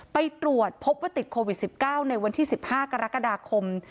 ไปตรวจพบว่าติดโควิด๑๙ในวันที่๑๕กรกฎาคม